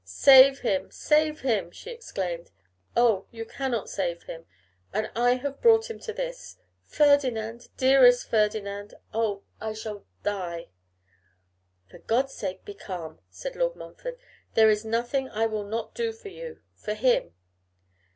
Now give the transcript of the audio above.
'Save him, save him!' she exclaimed. 'Oh! you cannot save him! And I have brought him to this! Ferdinand! dearest Ferdinand! oh! I shall die!' 'For God's sake, be calm,' said Lord Montfort, 'there is nothing I will not do for you, for him.